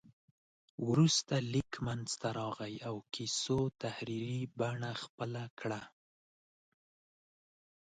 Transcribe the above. وروسته لیک منځته راغی او کیسو تحریري بڼه خپله کړه.